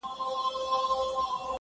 چي هم له ګل او هم له خاره سره لوبي کوي٫